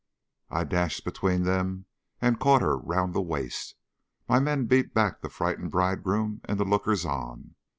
I dashed between them and caught her round the waist. My men beat back the frightened bridegroom and the lookers on.